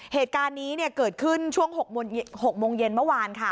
เหตุการณ์นี้เกิดขึ้นช่วง๖โมงเย็นเมื่อวานค่ะ